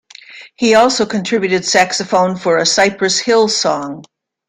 He also contributed saxophone for a Cypress Hill song.